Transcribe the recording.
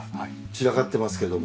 散らかってますけども。